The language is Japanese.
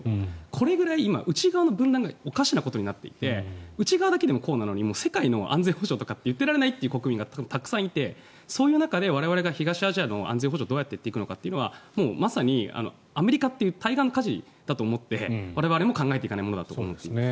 これぐらい内側の分断がおかしなことになっていて内側だけでもこうなのに世界の安全保障とか言ってられない国民がたくさんいてそういう中で我々が東アジアの安全保障をどうやっていくかってアメリカ、対岸の火事だと思ってやっていかなきゃいけないと。